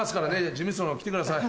事務室の方来てください。